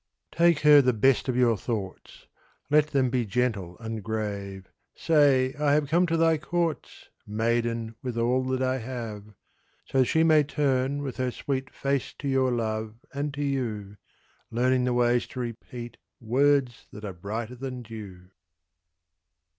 Take her the best of your thoughts, Let them be gentle and grave, Say, "I have come to thy courts, Maiden, with all that I have." So she may turn with her sweet Face to your love and to you, Learning the way to repeat Words that are brighter than dew.